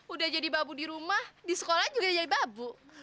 udah jadi babu dirumah di sekolah juga jadi babu